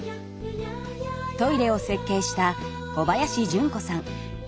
トイレを設計した小林純子さん。